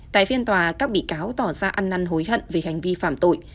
tại phiên tòa các bị cáo tỏ ra ăn năn hối hận về hành vi phạm tội